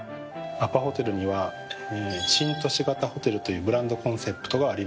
アパホテルには新都市型ホテルというブランドコンセプトがあります。